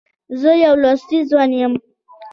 زه يو لوستی ځوان یم.